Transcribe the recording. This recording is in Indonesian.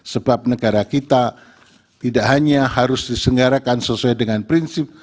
sebab negara kita tidak hanya harus disenggarakan sesuai dengan prinsip